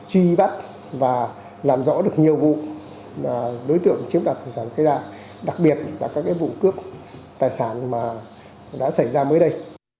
đã truy bắt và làm rõ được nhiều vụ đối tượng chiếm đặt tài sản khai đa đặc biệt là các vụ cướp tài sản đã xảy ra mới đây